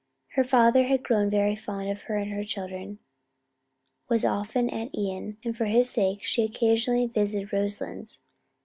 Her grandfather had grown very fond of her and her children, was often at Ion, and for his sake she occasionally visited Roselands.